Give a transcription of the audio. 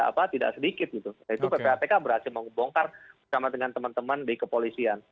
nah itu ppatk berhasil membongkar sama dengan teman teman di kepolisian